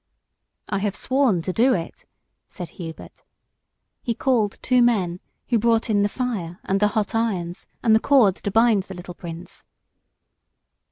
"I have sworn to do it," said Hubert. He called two men, who brought in the fire and the hot irons, and the cord to bind the little Prince.